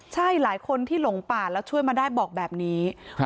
ใช่หลายคนที่หลงป่าแล้วช่วยมาได้บอกแบบนี้